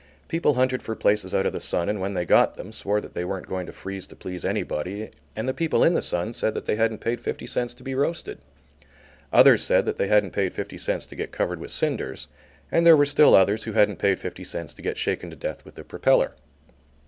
People hunted for places out of the sun and when they got them swore that they weren't going to freeze to please anybody; and the people in the sun said that they hadn't paid fifty cents to be roasted. Others said that they hadn't paid fifty cents to get covered with cinders, and there were still others who hadn't paid fifty cents to get shaken to death with the propeller.